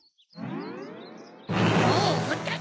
もうおこったぞ！